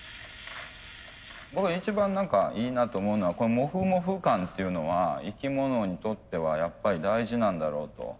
僕一番いいなと思うのはモフモフ感っていうのは生き物にとってはやっぱり大事なんだろうと。